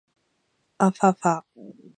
あふぁふぁ